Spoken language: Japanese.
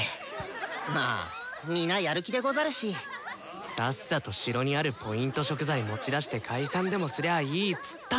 まあ皆やる気でござるし！さっさと城にあるＰ食材持ち出して解散でもすりゃあいいっつったのに。